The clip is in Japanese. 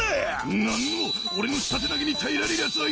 なんの俺の下手投げに耐えられるやつはいないぜ！